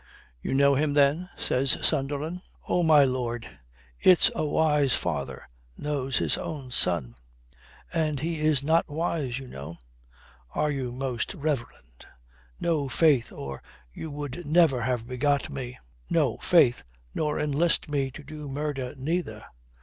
"You know him then?" says Sunderland. "Oh, my lord, it's a wise father knows his own son. And he is not wise, you know. Are you, most reverend? No, faith, or you would never have begot me. No, faith, nor enlist me to do murder neither.